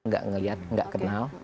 gak ngeliat gak kenal